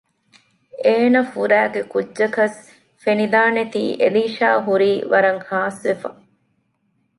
އޭނަފުރައިގެ ކުއްޖަކަސް ފެނިދާނެތީ އެލީޝާ ހުރީ ވަރަށް ހާސްވެފަ